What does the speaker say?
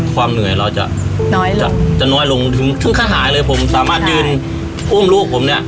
ความเหนื่อยเราจะจะน้อยลงถึงขนาดหายเลยผมสามารถยืนอุ้มลูกผมเนี่ย